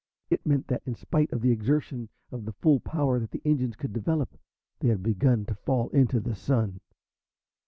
It meant that, in spite of the exertion of the full power that the engines could develop, they had begun to fall into the Sun.